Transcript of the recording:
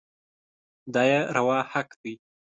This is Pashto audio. دا يې روا حق دی.